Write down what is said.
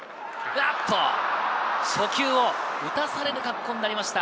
初球を打たされる格好になりました。